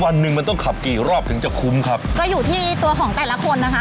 วันหนึ่งมันต้องขับกี่รอบถึงจะคุ้มครับก็อยู่ที่ตัวของแต่ละคนนะคะ